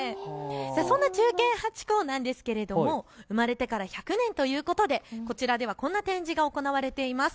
そんな忠犬ハチ公なんですが生まれてから１００年ということで、こちらではこんな展示が行われています。